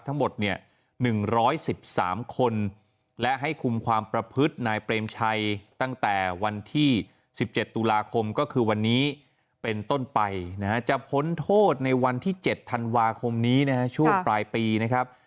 ทั้งหมดเนี่ย๑๑๓คนและให้คุมความประพฤตินายเปรมชัยตั้งแต่วันที่๑๗ตุลาคมก็คือวันนี้เป็นต้นไปนะฮะจะพ้นโทษในวันที่๗ธันวาคมนี้นะฮะช่วงปลายปีนะครับ